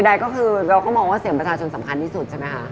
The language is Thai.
ใดก็คือเราก็มองว่าเสียงประชาชนสำคัญที่สุดใช่ไหมคะ